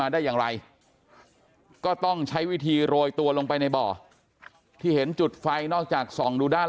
อืมอืมอืมอืมอืม